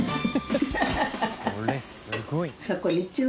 これすごい。